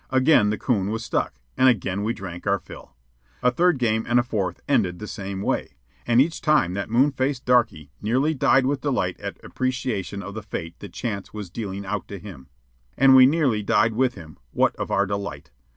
Again the coon was stuck, and again we drank our fill. A third game and a fourth ended the same way, and each time that moon faced darky nearly died with delight at appreciation of the fate that Chance was dealing out to him. And we nearly died with him, what of our delight.